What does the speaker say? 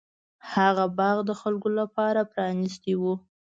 هغه باغ د خلکو لپاره پرانیستی و.